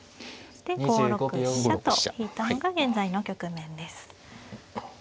で５六飛車と引いたのが現在の局面です。